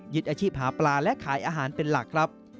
อาชีพหาปลาและขายอาหารเป็นหลักครับ